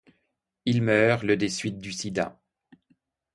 Il meurt le des suites du sida.